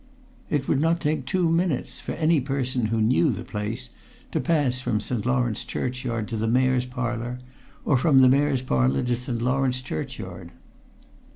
It would not take two minutes for any person who knew the place to pass from St. Lawrence Churchyard to the Mayor's Parlour, or from the Mayor's Parlour to St. Lawrence Churchyard."